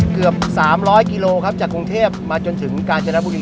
เกือบ๓๐๐กิโลครับจากกรุงเทพมาจนถึงกาญจนบุรี